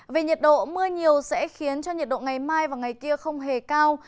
về nhiệt độ mưa nhiều sẽ khiến cho nhiệt độ ngày mai và ngày kia không hề cao